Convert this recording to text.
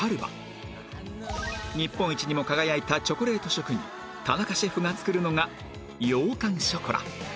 日本一にも輝いたチョコレート職人田中シェフが作るのが羊羹ショコラ